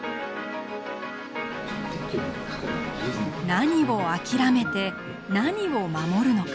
何を諦めて何を守るのか。